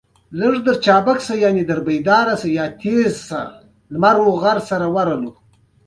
ازادي راډیو د د بشري حقونو نقض کیسې وړاندې کړي.